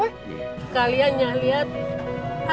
kalian nya lihat